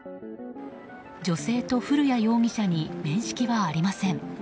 女性と古屋容疑者に面識はありません。